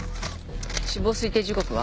死亡推定時刻は？